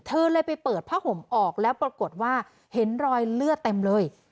เธอเลยไปเปิดผ้าห่มออกแล้วปรากฏว่าเห็นรอยเลือดเต็มเลย